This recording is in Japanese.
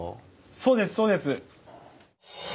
そうですそうです！